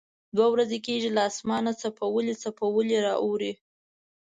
دوه ورځې کېږي له اسمانه څپولی څپولی را اوري.